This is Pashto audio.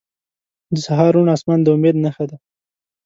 • د سهار روڼ آسمان د امید نښه ده.